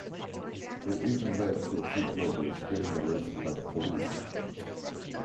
It even led to a few bloggers getting arrested by the police.